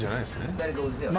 ２人同時ではない。